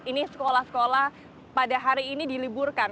ini sekolah sekolah pada hari ini diliburkan